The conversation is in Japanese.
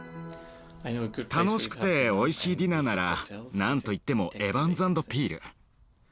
楽しくておいしいディナーなら何といってもエバンズ・アンド・ピール。